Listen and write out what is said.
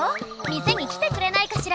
店に来てくれないかしら。